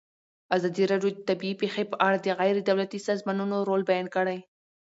ازادي راډیو د طبیعي پېښې په اړه د غیر دولتي سازمانونو رول بیان کړی.